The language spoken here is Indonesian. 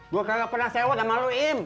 gua kagak pernah sewot sama lu im